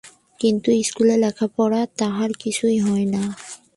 কিন্তু স্কুলের লেখাপড়া তাহার কিছুই হয় না।